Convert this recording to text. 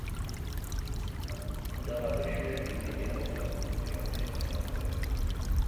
د هغه شعر د مینې او درد ژور احساسات بیانوي